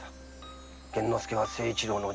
玄之介は誠一郎の。